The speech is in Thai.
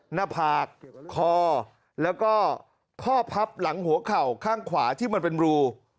หน้าผากคอแล้วก็ข้อพับหลังหัวเข่าข้างขวาที่มันเป็นรู